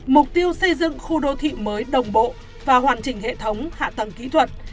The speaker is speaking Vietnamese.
mục tiêu xây dựng khu đô thị mới đồng bộ và hoàn chỉnh hệ thống hạ tầng kỹ thuật